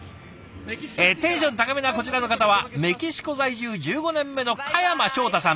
テンション高めなこちらの方はメキシコ在住１５年目の嘉山正太さん。